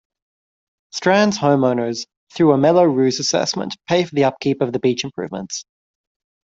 Strands Homeowners, through a Mello-Roos assessment, pay for the upkeep of the beach improvements.